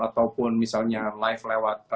ataupun misalnya live lewat